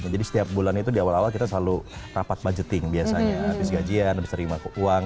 jadi setiap bulan itu diawal awal kita selalu rapat budgeting biasanya gajian sering keuang